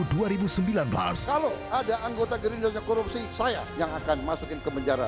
kalau ada anggota gerindranya korupsi saya yang akan masukin ke penjara